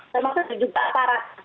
termasuk juga para